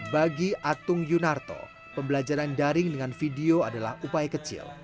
bagi atung yunarto pembelajaran daring dengan video adalah upaya kecil